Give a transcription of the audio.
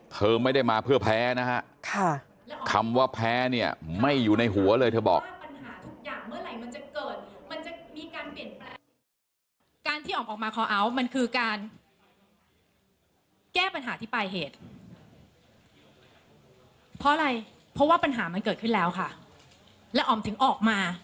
เธอไม่ได้มาเพื่อแพ้นะฮะคำว่าแพ้เนี่ยไม่อยู่ในหัวเลยเธอบอก